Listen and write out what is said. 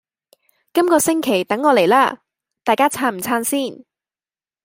今個星期等我黎啦！大家撐唔撐先？